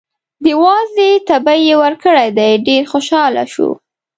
د وازدې تبی یې ورکړی دی، ډېر خوشحاله شو.